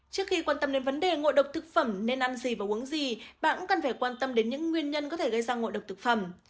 trước khi quan tâm đến vấn đề ngộ độc thực phẩm nên ăn gì và uống gì bạn cần phải quan tâm đến những nguyên nhân có thể gây ra ngộ độc thực phẩm